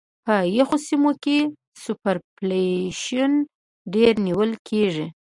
په یخو سیمو کې سوپرایلیویشن ډېر نیول کیږي